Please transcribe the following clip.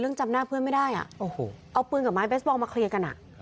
จำหน้าเพื่อนไม่ได้อ่ะโอ้โหเอาปืนกับไม้เบสบอลมาเคลียร์กันอ่ะ